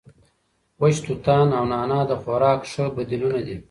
وچ توتان او نعناع د خوراک ښه بدیلونه دي.